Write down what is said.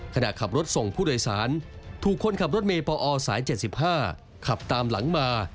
ขณะขับรถส่งผู้โดยสารถูกคนขับรถเมย์ปอสาย๗๕ขับตามหลังมา